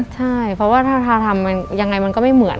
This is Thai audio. ใช่เพราะว่าทาทำมันยังไงมันก็ไม่เหมือน